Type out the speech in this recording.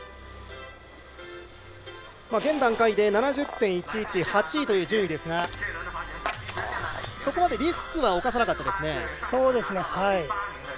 現段階で７０．１１で８位という順位ですが、そこまでリスクは冒さなかったですね。